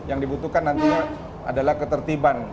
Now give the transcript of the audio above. yang dibutuhkan nantinya adalah ketertiban